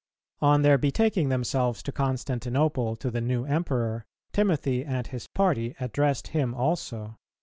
On their betaking themselves to Constantinople to the new Emperor, Timothy and his party addressed him also.